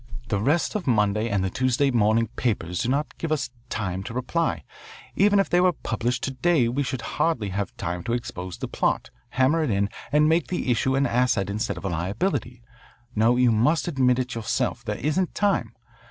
The rest of Monday and the Tuesday morning papers do not give us time to reply. Even if they were published to day we should hardly have time to expose the plot, hammer it in, and make the issue an asset instead of a liability. No, you must admit it yourself. There isn't time.